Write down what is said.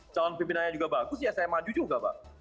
calon pimpinannya juga bagus ya saya maju juga pak